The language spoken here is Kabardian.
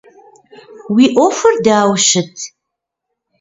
Уи ӏуэхур дауэ щыт?